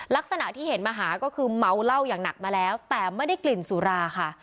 ลักษณะที่เห็นมาหาก็คือเมาเหล้าอย่างหนักมาแล้วแต่ไม่ได้กลิ่นสุราค่ะ